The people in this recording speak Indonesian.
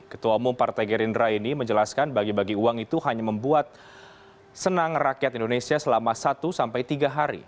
ketua umum partai gerindra ini menjelaskan bagi bagi uang itu hanya membuat senang rakyat indonesia selama satu sampai tiga hari